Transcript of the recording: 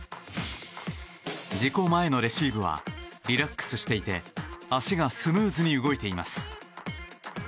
事故前のレシーブはリラックスしていて足がスムーズに動いています。